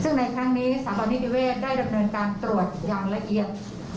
ซึ่งในครั้งนี้สถาบันนิติเวศได้ดำเนินการตรวจอย่างละเอียด